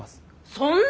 そんな！